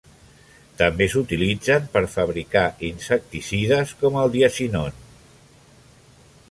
També s'utilitzen per fabricar insecticides, com el diazinon.